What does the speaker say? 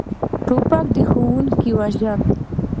توپک ښوونکي وژلي.